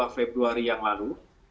februari yang lalu